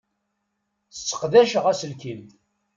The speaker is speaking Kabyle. Sseqdaceɣ aselkim.